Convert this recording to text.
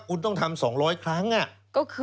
คุณต้องทำ๒๐๐ครั้ง